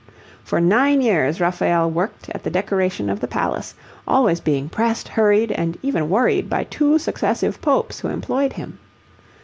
For nine years Raphael worked at the decoration of the palace, always being pressed, hurried, and even worried by two successive popes who employed him.